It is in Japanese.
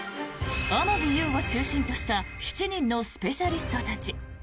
天樹悠を中心とした７人のスペシャリストたち。